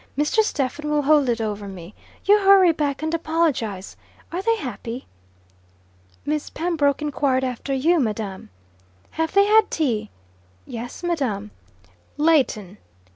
Mr. Stephen will hold it over me. You hurry back and apologize. Are they happy?" "Miss Pembroke inquired after you, madam." "Have they had tea?" "Yes, madam." "Leighton!"